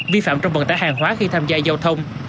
vi phạm trong vận tải hàng hóa khi tham gia giao thông